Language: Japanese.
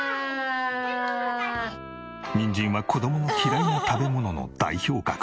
ニンジンは子供の嫌いな食べ物の代表格。